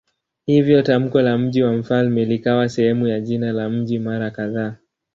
Hivyo tamko la "mji wa mfalme" likawa sehemu ya jina la mji mara kadhaa.